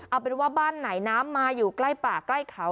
เอาเป็นว่าบ้านไหนน้ำมาอยู่ใกล้ป่าใกล้เขา